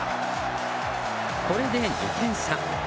これで２点差。